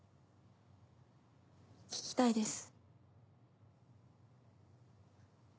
聞きたいです。